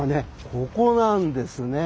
ここなんですね。